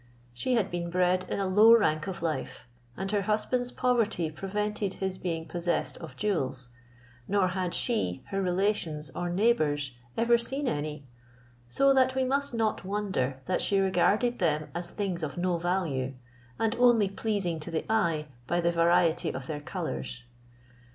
She had been bred in a low rank of life, and her husband's poverty prevented his being possessed of jewels, nor had she, her relations, or neighbours, ever seen any; so that we must not wonder that she regarded them as things of no value, and only pleasing to the eye by the variety of their colours.